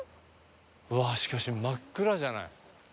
うわっしかし真っ暗じゃない。